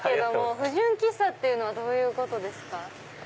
不純喫茶っていうのはどういうことですか？